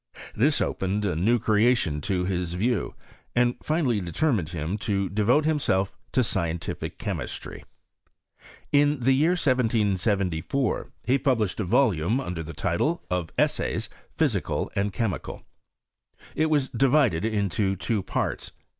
This opened a new creation to his view, and finally determined him to devote himself to scientific chemistry. In the year 1774 he published a volume under the title of " Essays Physical and Chemical." Itwas divided into two parts.